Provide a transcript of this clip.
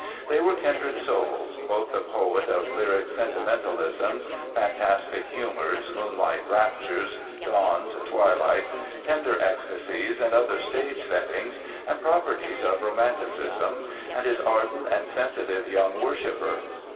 They were kindred souls—both the poet of lyric sentimentalisms, fantastic humors, moonlight raptures, dawns, twilights, tender ecstasies and other stage settings and properties of romanticism, and his ardent and sensitive young worshipper.